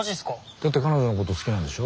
だって彼女のこと好きなんでしょ？